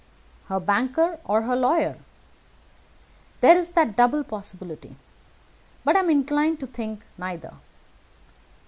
"Her banker or her lawyer. There is that double possibility. But I am inclined to think neither.